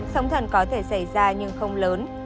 sóng thần có thể xảy ra nhưng không lớn